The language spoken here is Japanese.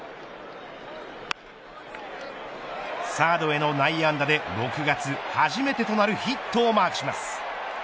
サードへの内野安打で６月初めてとなるヒットをマークします。